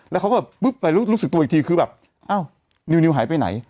แล้วเขาก็ปุ๊บไปรู้สึกตัวอีกทีคือแบบอ้าวนิวหายไปไหน